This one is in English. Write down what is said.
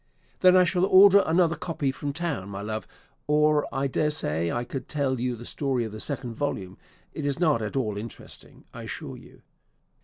"Then I shall order another copy from town, my love; or I daresay I could tell you the story of the second volume: it is not at all interesting, I assure you.